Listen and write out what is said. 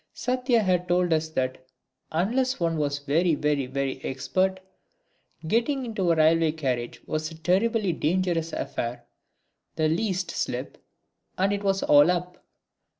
Satya had told us that, unless one was very very expert, getting into a railway carriage was a terribly dangerous affair the least slip, and it was all up.